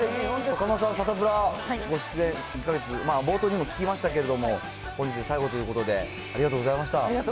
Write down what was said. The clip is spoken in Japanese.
狩野さん、サタプラ出演、１か月、冒頭にも聞きましたけれども、本日で最後ということで、ありがとうございました。